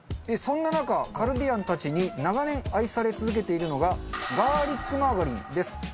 そんな中カルディアンたちに長年愛され続けているのがガーリックマーガリンです。